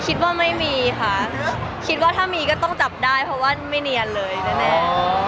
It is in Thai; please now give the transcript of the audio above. คิดว่าไม่มีค่ะคิดว่าถ้ามีก็ต้องจับได้เพราะว่าไม่เนียนเลยแน่